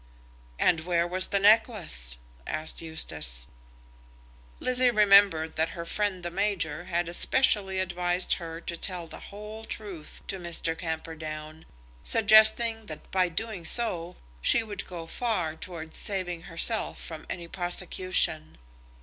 "And where was the necklace?" asked Eustace. Lizzie remembered that her friend the major had specially advised her to tell the whole truth to Mr. Camperdown, suggesting that by doing so she would go far towards saving herself from any prosecution.